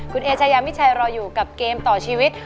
คุณเอชายามิชัยรออยู่กับเกมต่อชีวิต